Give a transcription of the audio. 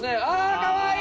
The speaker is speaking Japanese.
かわいい！